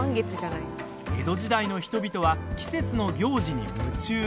江戸時代の人々は季節の行事に夢中。